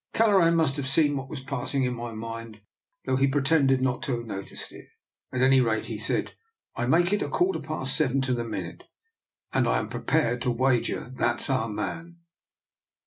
Kelleran must have seen what was passing in my mind, though he pretended not to have noticed it; at any rate he said, " I make it a quarter past seven to the minute, and I am prepared to wager that's our man."